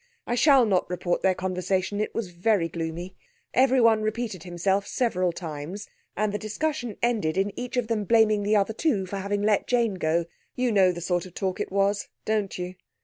I shall not report their conversation; it was very gloomy. Everyone repeated himself several times, and the discussion ended in each of them blaming the other two for having let Jane go. You know the sort of talk it was, don't you?